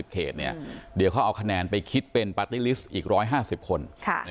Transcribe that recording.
เขตเดี๋ยวเขาเอาคะแนนไปคิดเป็นปาร์ตี้ลิสต์อีก๑๕๐คน